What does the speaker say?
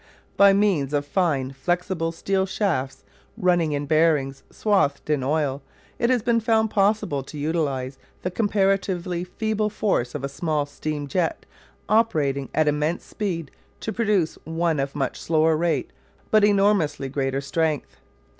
By means of fine flexible steel shafts running in bearings swathed in oil it has been found possible to utilise the comparatively feeble force of a small steam jet operating at immense speed to produce one of much slower rate but enormously greater strength.